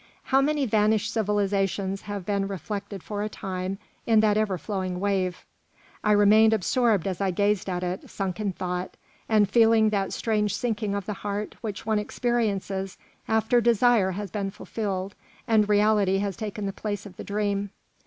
How many vanished civilisations have been reflected for a time in that ever flowing wave! I remained absorbed as I gazed at it, sunk in thought, and feeling that strange sinking of the heart which one experiences after desire has been fulfilled, and reality has taken the place of the dream.